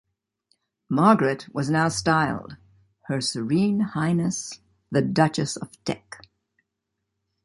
Margaret was now styled, "Her Serene Highness The Duchess of Teck".